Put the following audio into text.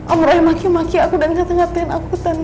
omroh yang maki maki aku dan kata ngatain aku tante